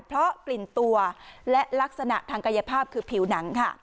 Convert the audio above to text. เพราะกลิ่นตัวและลักษณะทางกายภาพคือผิวหนังค่ะ